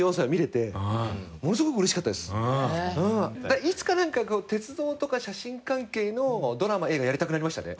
だからいつかなんか鉄道とか写真関係のドラマ映画やりたくなりましたね。